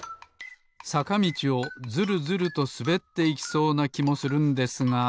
さかみちをズルズルとすべっていきそうなきもするんですが。